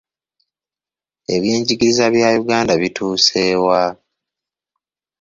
Ebyenjigiriza bya Uganda bituuse wa?